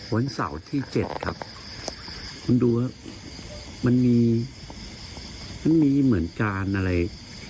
วันเสาร์ที่เจ็ดครับคุณดูเหอะมันมีมันมีเหมือนกันอะไร